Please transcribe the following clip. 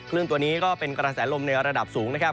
ื่นตัวนี้ก็เป็นกระแสลมในระดับสูงนะครับ